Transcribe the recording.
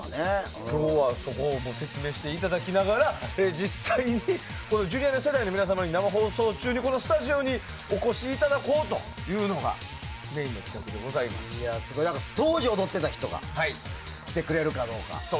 今日はそこも説明していただきながら実際にジュリアナ世代の皆様に生放送中にスタジオにお越しいただこうというのが当時、踊ってた人が来てくれるだろうから。